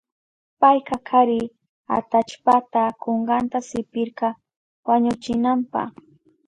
Payka kari atallpata kunkanta sipirka wañuchinanpa.